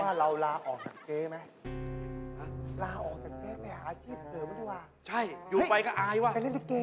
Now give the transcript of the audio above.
ติดเหรอติดหนักเลยเออติดเยอะมากน้าเหรอ